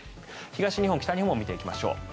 東日本、北日本を見ていきましょう。